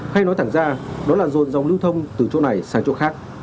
hay nói thẳng ra đó là dồn dòng lưu thông từ chỗ này sang chỗ khác